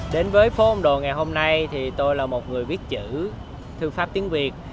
đến với phố ông đồ ngày hôm nay thì tôi là một người viết chữ thư pháp tiếng việt